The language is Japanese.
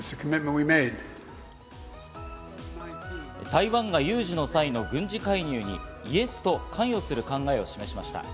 台湾が有事の際の軍事介入にイエスと関与する考えを示しました。